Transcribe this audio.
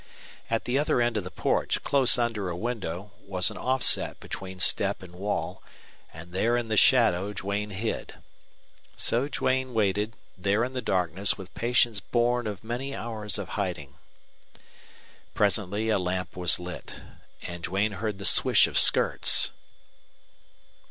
At the other end of the porch, close under a window, was an offset between step and wall, and there in the shadow Duane hid. So Duane waited there in the darkness with patience born of many hours of hiding. Presently a lamp was lit; and Duane heard the swish of skirts.